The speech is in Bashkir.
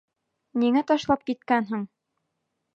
Ниңә ташлап киткәнһең?